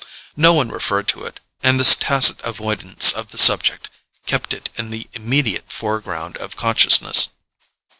No one referred to it, and this tacit avoidance of the subject kept it in the immediate foreground of consciousness.